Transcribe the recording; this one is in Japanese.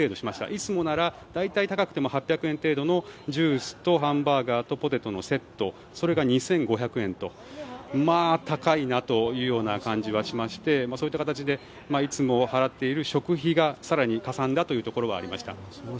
いつもなら大体高くても８００円程度のジュースとハンバーガーとポテトのセットが２５００円と高いなという感じはしましてそういった形でいつも払っている食費が更にかさんだというところはありました。